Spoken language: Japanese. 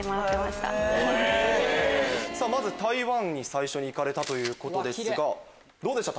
台湾に最初に行かれたということですがどうでした？